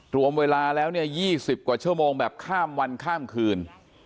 รวมเวลาแล้วเนี่ย๒๐กว่าชั่วโมงแบบข้ามวันข้ามคืน